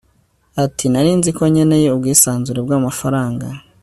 Ati Nari nzi ko nkeneye ubwisanzure bwamafaranga